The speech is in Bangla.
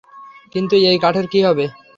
কিন্তু এই কাঠের কী হবে?